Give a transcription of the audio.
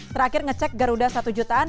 terakhir ngecek garuda satu jutaan